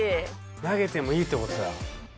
投げてもいいってことだ。